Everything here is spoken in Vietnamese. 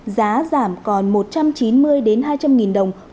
giá giảm còn một trăm chín mươi đến hai trăm linh đồng